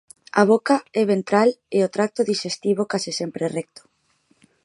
A boca é ventral e o tracto dixestivo case sempre recto.